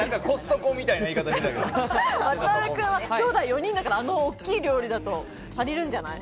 松丸君はきょうだい４人だから、あの大きい料理だと足りるんじゃない？